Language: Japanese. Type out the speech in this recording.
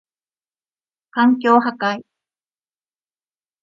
環境破壊